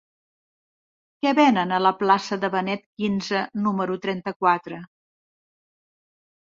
Què venen a la plaça de Benet XV número trenta-quatre?